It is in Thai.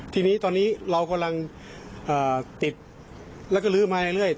ทีนี้ตอนนี้เรากำลังติดแล้วก็ลื้อมาเรื่อย